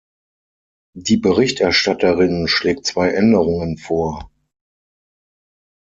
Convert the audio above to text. Die Berichterstatterin schlägt zwei Änderungen vor.